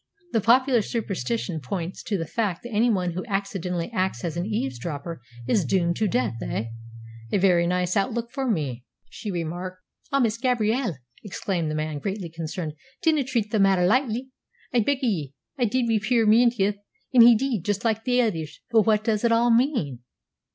"Then popular superstition points to the fact that anyone who accidentally acts as eavesdropper is doomed to death, eh? A very nice outlook for me!" she remarked. "Oh, Miss Gabrielle!" exclaimed the man, greatly concerned, "dinna treat the maitter lichtly, I beg o' ye. I did, wi' puir Menteith, an' he deed juist like the ithers." "But what does it all mean?"